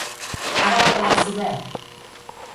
Ara va quedar-se obert!